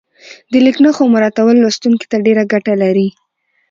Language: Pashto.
د لیک نښو مراعاتول لوستونکي ته ډېره ګټه لري.